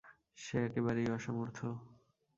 সে একেবারেই অসমর্থ।